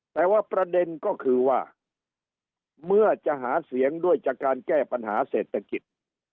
แต่ว่าประเด็นก็คือว่าเมื่อจะหาเสียงด้วยจากการแก้ปัญหาเศรษฐกิจ